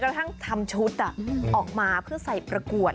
กระทั่งทำชุดอะเหมือนจะออกมาใส่ประกวด